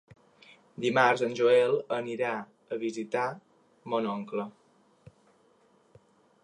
Dimarts en Joel anirà a visitar mon oncle.